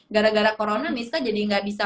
gara gara corona misca jadi gak bisa